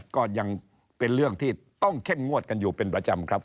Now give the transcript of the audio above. ก็ยังเป็นเรื่องที่ต้องเข้มงวดกันอยู่เป็นประจำครับ